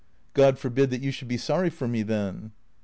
"■' God forbid that you should be sorry for me, then."